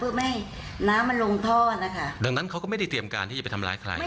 ดังนั้นเขาก็ไม่ได้เตรียมการที่จะไปทำร้ายใคร